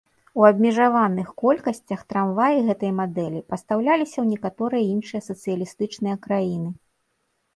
У абмежаваных колькасцях трамваі гэтай мадэлі пастаўляліся ў некаторыя іншыя сацыялістычныя краіны.